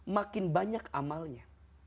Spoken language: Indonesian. makin banyak amalnya